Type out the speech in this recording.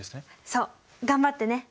そう頑張ってね。